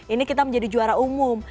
ini kita menjadi juara umum